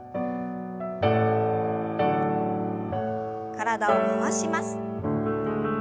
体を回します。